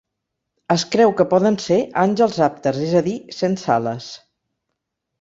Es creu que poden ser àngels àpters, és a dir, sense ales.